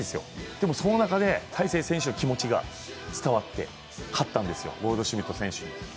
でもその中で大勢選手の気持ちが伝わって勝ったんですよ、ゴールドシュミット選手に。